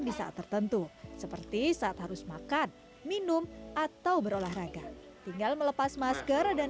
di saat tertentu seperti saat harus makan minum atau berolahraga tinggal melepas masker dan